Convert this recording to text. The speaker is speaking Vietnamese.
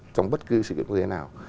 trong bất cứ sự kiện quốc tế nào